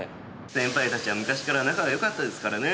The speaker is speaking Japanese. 先輩たちは昔から仲がよかったですからね。